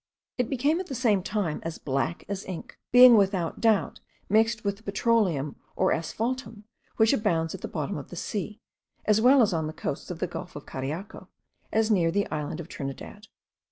It became at the same time as black as ink; being, without doubt, mixed with the petroleum, or asphaltum, which abounds at the bottom of the sea, as well on the coasts of the gulf of Cariaco, as near the island of Trinidad.